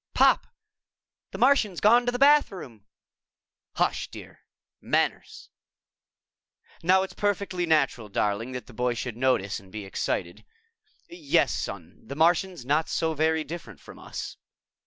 "Pop, the Martian's gone to the bathroom!" "Hush, dear. Manners." "Now it's perfectly natural, darling, that the boy should notice and be excited. Yes, Son, the Martian's not so very different from us."